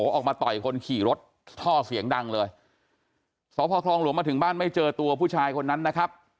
ออกมาต่อยคนขี่รถท่อเสียงดังเลยสพคลองหลวงมาถึงบ้านไม่เจอตัวผู้ชายคนนั้นนะครับ